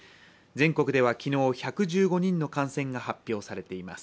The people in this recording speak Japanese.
全国では昨日１１５人の感染が発表されています。